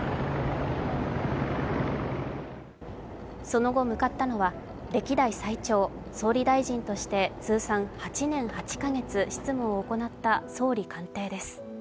その後、向かったのは歴代総理最長総理大臣として通算８年８カ月執務を行った総理官邸です。